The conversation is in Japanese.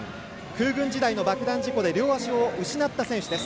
空軍時代の爆弾事故で両足を失った選手です。